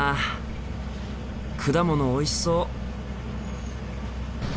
果物おいしそう。